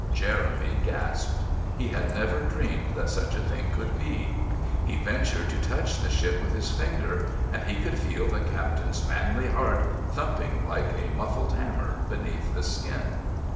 Jeremy gasped. He had never dreamed that such things could be. He ventured to touch the ship with his finger, and he could feel the Captain's manly heart thumping like a muffled hammer beneath the skin.